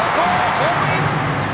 ホームイン！